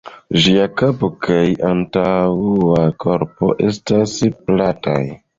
Ĝiaj kapo kaj antaŭa korpo estas plataj.